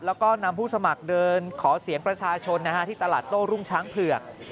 แล้วก็นำผู้สมัครเดินขอเสียงประชาชนที่ตลาดโต้รุ่งช้างเผือก